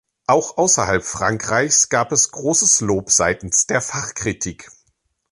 Auch außerhalb Frankreichs gab es großes Lob seitens der Fachkritik.